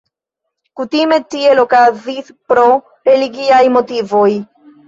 Kutime tiel okazis pro religiaj motivoj.